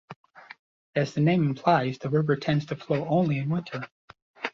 As the name implies, the river tends to flow only in winter.